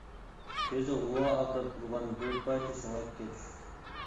كۆزى غۇۋا ئاقىرىپ تۇرغان بىر پارچە سۆڭەككە چۈشتى.